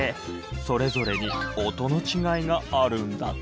それぞれに音の違いがあるんだって。